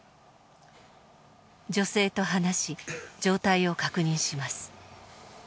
女性と話し状態を確認します。